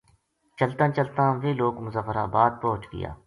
چلتاں چلتاں یہ لوک مظفرآبا د پوہچ گیا